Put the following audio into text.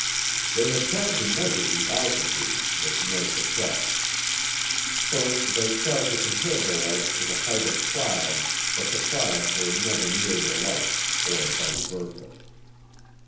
They had tried to measure the altitude, with no success. First they tried to compare the lights to the height of clouds but the clouds were never near the lights, or vice versa.